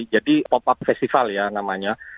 jadi pop up festival ya namanya